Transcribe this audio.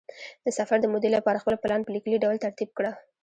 د سفر د مودې لپاره خپل پلان په لیکلي ډول ترتیب کړه.